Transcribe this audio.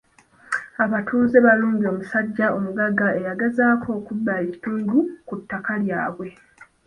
Abatuuze balumbye omusajja omugagga eyagezaako okubba ekitundu ku ttaka lyabwe.